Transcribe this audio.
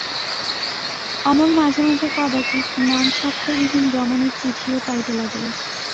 অমল মাঝে মাঝে কদাচিৎ নামস্বাক্ষরবিহীন রমণীর চিঠিও পাইতে লাগিল।